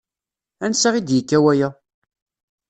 Ansa i d-yekka waya?